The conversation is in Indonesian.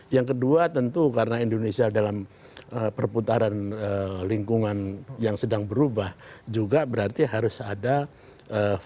yang kedua tentu karena indonesia dalam perputaran lingkungan yang sedang berubah juga berarti harus ada variable yang harus dihitung yaitu masalah keamanan nasional